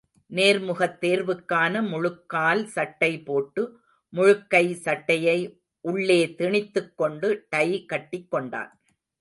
நேர்முகத் தேர்வுக்கான முழுக்கால் சட்டைபோட்டு, முழுக்கை சட்டையை உள்ளே திணித்துக் கொண்டு, டை கட்டிக் கொண்டான்.